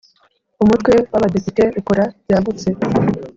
Umutwe w’ Abadepite ukora byagutse.